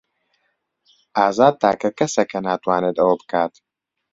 ئازاد تاکە کەسە کە ناتوانێت ئەوە بکات.